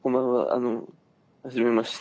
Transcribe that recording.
あのはじめまして。